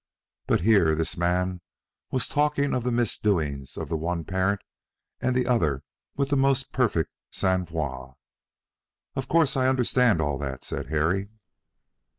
But here this man was talking of the misdoings of the one parent and the other with the most perfect sang froid. "Of course I understand all that," said Harry.